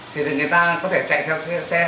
thì người ta có thể chạy theo xe